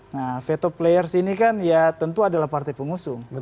nah veto players ini kan ya tentu adalah partai pengusung